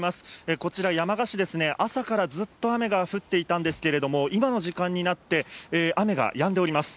こちら、山鹿市ですね、朝からずっと雨が降っていたんですけれども、今の時間になって雨がやんでおります。